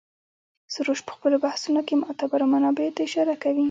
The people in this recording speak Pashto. سروش په خپلو بحثونو کې معتبرو منابعو ته اشاره کوي.